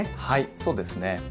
はいそうですね。